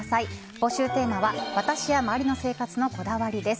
募集テーマは私や周りの生活のこだわりです。